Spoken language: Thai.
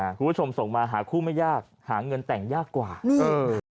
คุณผู้ชมส่งมาหาคู่ไม่ยากหาเงินแต่งยากกว่าเออ